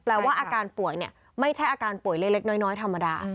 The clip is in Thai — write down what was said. ว่าอาการป่วยเนี่ยไม่ใช่อาการป่วยเล็กน้อยธรรมดา